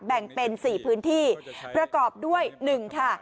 แบ่งเป็น๔พื้นที่ประกอบด้วย๑ค่ะ